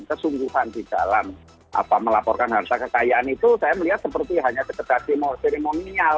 kesungguhan di dalam melaporkan harta kekayaan itu saya melihat seperti hanya sekedar seremonial